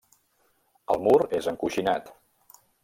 El mur és encoixinat.